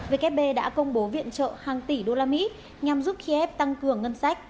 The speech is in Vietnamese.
vkp đã công bố viện trợ hàng tỷ đô la mỹ nhằm giúp kiev tăng cường ngân sách